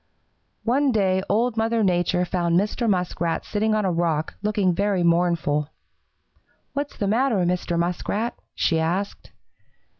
"One day Old Mother Nature found Mr. Muskrat sitting on a rock, looking very mournful. "'What's the matter, Mr. Muskrat?' she asked.